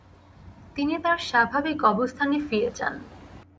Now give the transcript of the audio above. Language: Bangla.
তিনি তার স্বাভাবিক অবস্থানে ফিরে যান।